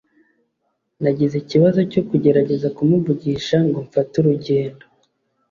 nagize ikibazo cyo kugerageza kumuvugisha ngo mfate urugendo